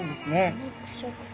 腐肉食性。